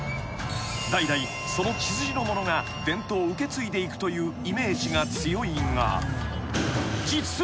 ［代々その血筋の者が伝統を受け継いでいくというイメージが強いが］